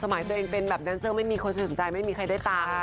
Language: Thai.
ตัวเองเป็นแบบแดนเซอร์ไม่มีคนสนใจไม่มีใครได้ตังค์